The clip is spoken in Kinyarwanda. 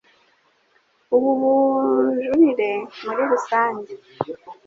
ubu bujurire muri rusange.